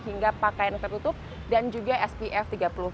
hingga pakaian efek tutup dan juga spf tiga puluh